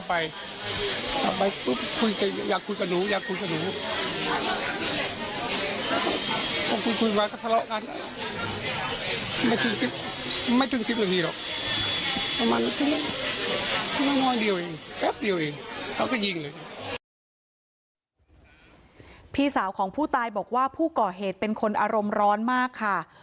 พี่สาวของผู้ตายบอกว่าผู้ก่อเหตุเป็นคนอารมณ์ร้อนมากค่ะ